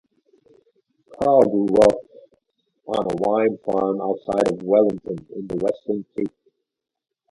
Carl grew up on a wine farm outside of Wellington in the Western Cape.